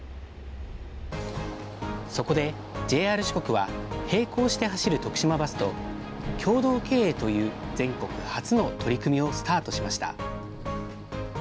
そこで、ＪＲ四国は、並行して走る徳島バスと、共同経営という全国初の取り組みをスタートしました。